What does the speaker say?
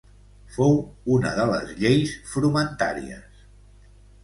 Fou una de les lleis frumentàries.